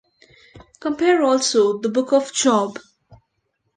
Compare also the Book of Job.